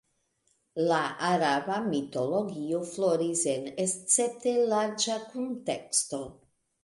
La araba mitologio floris en escepte larĝa kunteksto.